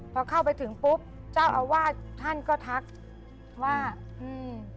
พอเข้าไปถึงปุ๊บเจ้าอาวาสท่านก็ทักว่าอืม